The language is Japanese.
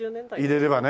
入れればね。